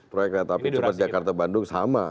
proyeknya jakarta bandung sama